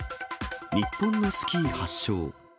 日本のスキー発祥。